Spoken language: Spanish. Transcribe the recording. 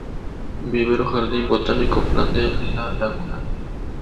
Vivero Jardín Botánico Plan de la laguna.